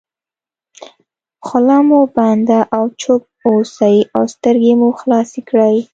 خوله مو بنده او چوپ واوسئ او سترګې مو خلاصې کړئ.